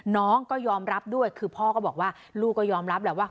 น้องก็ยอมรับด้วยคือพ่อก็บอกว่าลูกก็ยอมรับแหละว่า